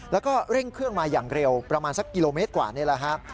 แล้วก็เร่งเครื่องมาอย่างเร็วประมาณสักกิโลเมตรกว่านี่แหละครับ